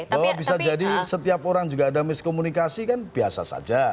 bahwa bisa jadi setiap orang juga ada miskomunikasi kan biasa saja